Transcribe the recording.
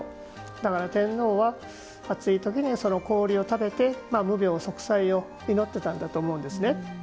だから、天皇は暑い時に、氷を食べて無病息災を祈ってたんだと思うんですね。